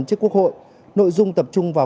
trước quốc hội nội dung tập trung vào